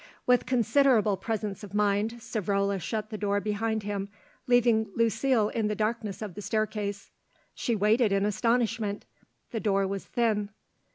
With considerable presence of mind Savrola shut the door behind him, leaving Lucile in the darkness of the staircase. She waited in astonishment; the door was thin.